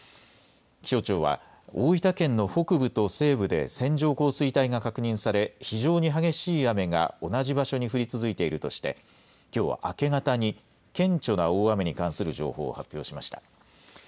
気象庁は大分県の北部と西部で線状降水帯が確認され非常に激しい雨が同じ場所に降り続いているとしてきょう明け方に顕著な大雨に関する情報を発表しました。